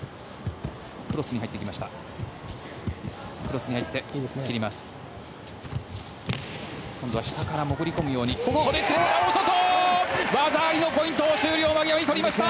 クロスに入っていきました。